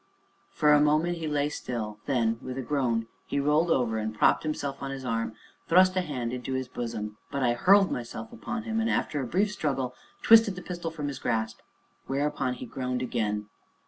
For a moment he lay still, then, with a groan, he rolled over, and propping himself on his arm, thrust a hand into his bosom; but I hurled myself upon him, and, after a brief struggle, twisted the pistol from his grasp, whereupon he groaned again.